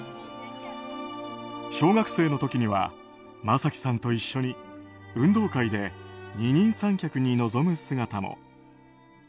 小学生の時には正輝さんと一緒に運動会で二人三脚に臨む姿も。